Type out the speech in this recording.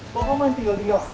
kok kamu yang tinggal tinggal